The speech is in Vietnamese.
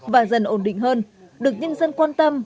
và dần ổn định hơn được nhân dân quan tâm